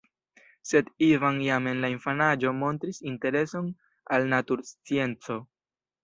Sed Ivan jam en la infanaĝo montris intereson al naturscienco.